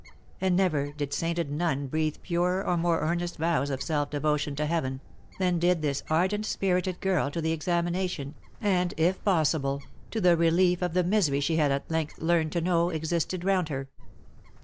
And never did sainted nun breathe purer or more earnest vows of self devotion to heaven, than did this ardent spirited girl to the examination, and, if possible, to the relief of the misery she had at length learned to know existed round her.